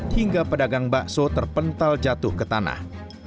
hingga pedagang bakso terpental jatuh ke tanah